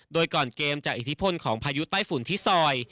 โดยก่อนเกมจากอิทธิพลของพายุใต้ฝุ่นที่ซอย